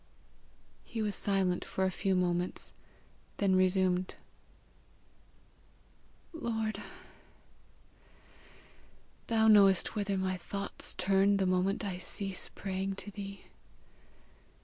He was silent for a few moments, then resumed: "Lord, thou knowest whither my thoughts turn the moment I cease praying to thee.